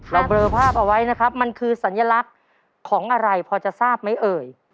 เบลอภาพเอาไว้นะครับมันคือสัญลักษณ์ของอะไรพอจะทราบไหมเอ่ย